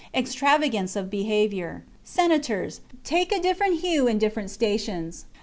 Extravagance of behaviour, Senators, takes a different hue in different stations.